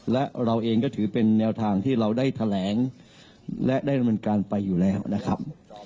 และเราเองก็ถือเป็นแนวทางที่เราได้แถลงและได้ดำเนินการไปอยู่แล้วนะครับ